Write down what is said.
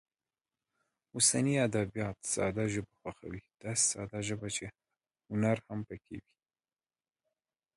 اوسني ادبیات ساده ژبه خوښوي، داسې ساده ژبه چې هنر هم پکې وي.